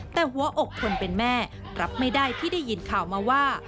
แต่หัวอกคนเป็นแม่รับไม่ได้ที่ได้ยินข่าวมาว่า